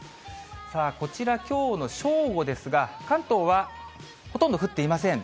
こちら、きょうの正午ですが、関東はほとんど降っていません。